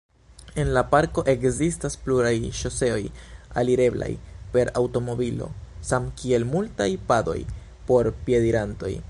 En la parko ekzistas pluraj ŝoseoj alireblaj per aŭtomobilo, samkiel multaj padoj por piedirantoj.